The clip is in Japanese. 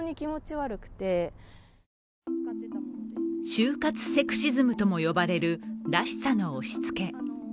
就活セクシズムとも呼ばれる「らしさ」の押しつけ。